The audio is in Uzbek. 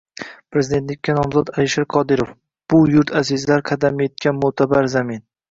Prezidentlikka nomzod Alisher Qodirov: “Bu yurt azizlar qadami yetgan mo‘’tabar zamin”